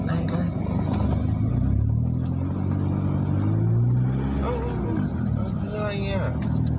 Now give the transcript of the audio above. แบบนี้ครับ